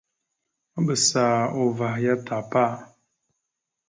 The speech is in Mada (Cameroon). Maɓəsa uvah ya tapa.